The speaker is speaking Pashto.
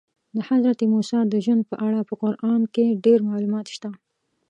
د حضرت موسی د ژوند په اړه په قرآن کې ډېر معلومات شته.